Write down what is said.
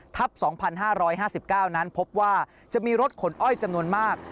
๒๕๕๙นั้นพบว่าจะมีรถขนอ้อยจำนวนมาก